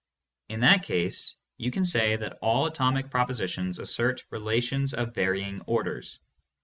In that case you can say that all atomic propositions assert relations of varying orders.